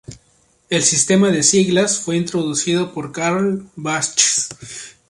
El sistema de siglas fue introducido por Karl Bartsch.